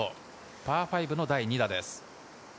パー５の第２打です。